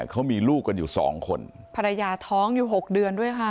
เขามีลูกกันอยู่สองคนภรรยาท้องอยู่หกเดือนด้วยค่ะ